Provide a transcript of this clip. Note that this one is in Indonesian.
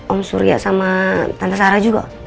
om surya sama tante sarah juga